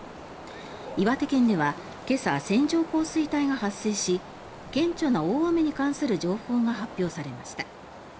岩手県では今朝線状降水帯が発生し顕著な大雨に関する情報が発表されました。